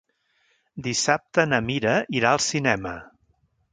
Dissabte na Mira irà al cinema.